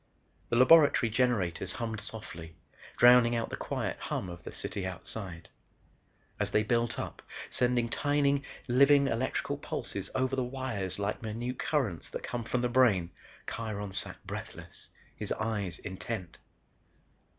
The laboratory generators hummed softly, drowning out the quiet hum of the city outside. As they built up, sending tiny living electrical impulses over the wires like minute currents that come from the brain, Kiron sat breathless; his eyes intent.